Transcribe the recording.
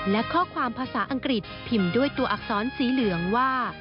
และข้อความภาษาอังกฤษพิมพ์ด้วยตัวอักษรสีเหลืองว่า